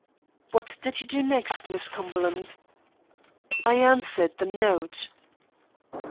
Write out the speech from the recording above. "What did you do next, Miss Cumberland?" "I answered the note."